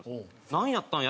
なんやったんや？